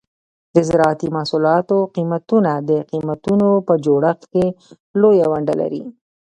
د زراعتي محصولاتو قیمتونه د قیمتونو په جوړښت کې لویه ونډه لري.